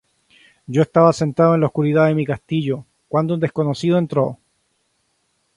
Yo estaba sentado en la oscuridad en mi castillo, cuando un desconocido entró.